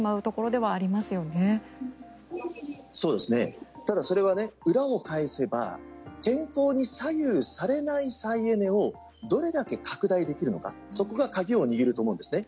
でも、それは裏を返せば天候に左右されない再エネをどれだけ拡大できるのかそこが鍵を握ると思うんですね。